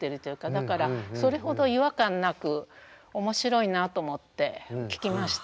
だからそれほど違和感なく面白いなと思って聴きました。